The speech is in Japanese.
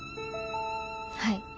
はい。